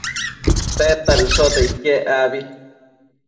tedta dëshote iquec abi?